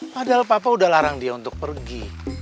padahal papa udah larang dia untuk pergi